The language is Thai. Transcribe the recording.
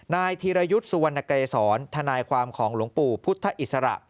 ธีรยุทธ์สุวรรณกัยศรทนายความของหลวงปู่พุทธอิสระ